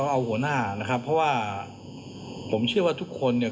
เอาหัวหน้านะครับเพราะว่าผมเชื่อว่าทุกคนเนี่ย